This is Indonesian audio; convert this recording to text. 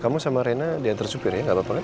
kamu sama rena diantar supir ya gak apa apa